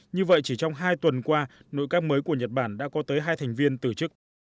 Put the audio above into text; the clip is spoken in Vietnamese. như vậy chỉ trong hai tuần qua nội các mới của nhật bản đã có tới hai thành viên từ chức